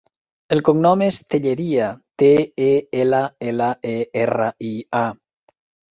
El cognom és Telleria: te, e, ela, ela, e, erra, i, a.